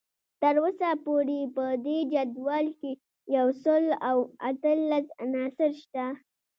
تر اوسه پورې په دې جدول کې یو سل او اتلس عناصر شته